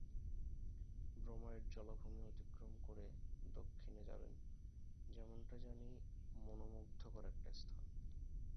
Bromite জলাভূমি অতিক্রম করে দক্ষিণে যাবেন, যেমনটা জানি, মনোমুগ্ধকর একটা স্থান।